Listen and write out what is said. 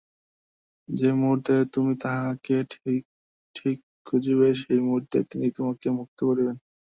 যে মুহূর্তে তুমি তাঁহাকে ঠিক ঠিক খুঁজিবে, সেই মুহূর্তেই তিনি তোমাকে মুক্ত করিবেন।